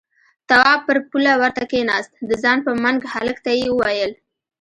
تواب پر پوله ورته کېناست، د ځان په منګ هلک ته يې وويل: